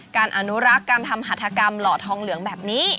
อนุรักษ์การทำหัฐกรรมหล่อทองเหลืองแบบนี้